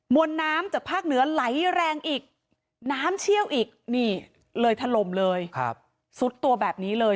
วนน้ำจากภาคเหนือไหลแรงอีกน้ำเชี่ยวอีกนี่เลยถล่มเลยซุดตัวแบบนี้เลย